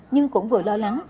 nhưng cũng vừa lo lắng